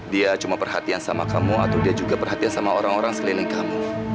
dia cuma perhatian sama kamu atau dia juga perhatian sama orang orang seliling kamu